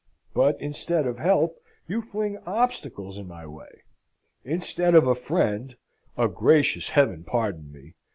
But, instead of help, you fling obstacles in my way. Instead of a friend a gracious Heaven pardon me!